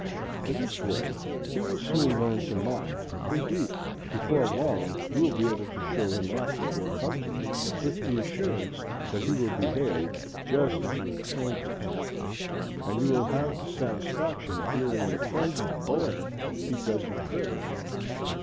In this way he will soon learn to mind. Indeed, before long you will be able to show him off before company with the assurance that he will behave just as you have trained him to; and you will have the satisfaction of hearing your friends declare he does you credit.